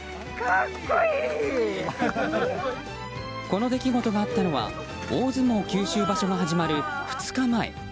この出来事があったのは大相撲九州場所が始まる２日前。